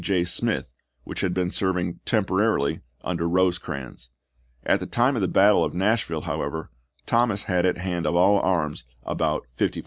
J. Smith, which had been serving temporarily under Rosecrans. At the time of the battle of Nashville, however, Thomas had at hand of all arms, about 55,000.